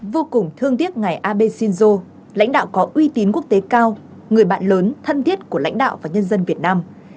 vô cùng thương tiếc ngài abe shinzo lãnh đạo có uy tín quốc tế cao người bạn lớn thân thiết của lãnh đạo và nhân dân việt nam